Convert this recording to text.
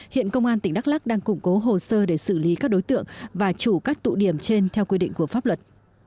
hiện công an tỉnh đắk lắc đang củng cố hồ sơ để xử lý các đối tượng và chủ các tụ điểm trên theo quy định của pháp luật